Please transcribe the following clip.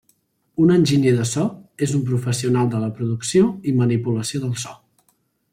Un enginyer de so és un professional de la producció i manipulació del so.